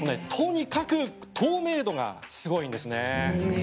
とにかく透明度がすごいんですね。